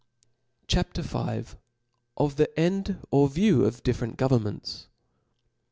.. CHAP. V. 'Of the End or View of different GovernmentSn.